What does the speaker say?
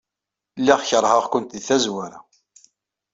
Lliɣ keṛheɣ-kent deg tazwara.